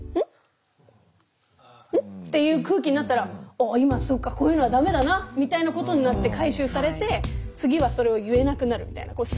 ん？っていう空気になったら今そうかこういうのは駄目だなみたいなことになって次はそれを言えなくなるみたいな。